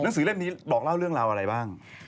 สือเล่มนี้บอกเล่าเรื่องราวอะไรบ้าง